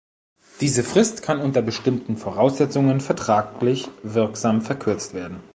Diese Frist kann unter bestimmten Voraussetzungen vertraglich wirksam verkürzt werden.